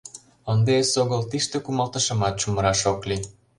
Ынде эсогыл тиште кумалтышымат чумыраш ок лий.